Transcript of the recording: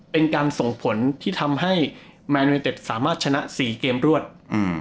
เป็นการส่งผลที่ทำให้แมนยูเนเต็ดสามารถชนะสี่เกมรวดอืม